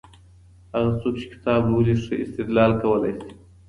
هغه څوک چي کتاب لولي، ښه استدلال کولای سي.